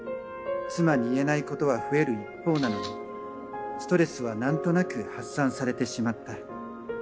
妻に言えないことは増える一方なのにストレスは何となく発散されてしまった。